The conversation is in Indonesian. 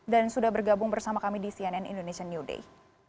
dan sudah bergabung bersama kami di cnn indonesian new day